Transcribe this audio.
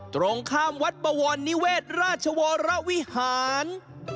ตรงข้ามวัดบวรนิเวศราชวรวิหาร